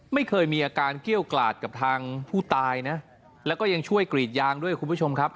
ไม่เคยมีอาการเกี้ยวกลาดกับทางผู้ตายนะแล้วก็ยังช่วยกรีดยางด้วยคุณผู้ชมครับ